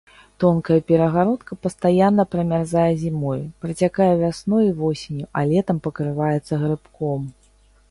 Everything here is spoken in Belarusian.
Тонкая перагародка пастаянна прамярзае зімой, працякае вясной і восенню, а летам пакрываецца грыбком.